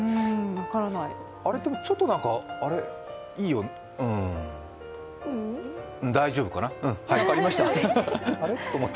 でもちょっと、いいよ大丈夫かな、分かりました。